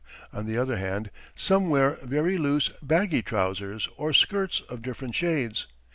On the other hand, some wear very loose, baggy trousers or skirts of different shades.